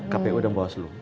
kpu dan bawaslu